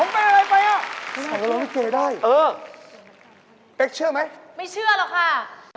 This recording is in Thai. ใส่เราลิเกได้นะเจ๊เชื่อไหมไม่เชื่อหรอกค่ะ